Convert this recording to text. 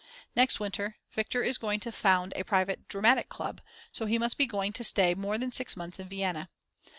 Next winter Viktor is going to found a private dramatic club, so he must be going to stay more than six months in Vienna.